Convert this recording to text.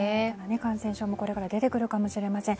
感染症もこれから出てくるかもしれません。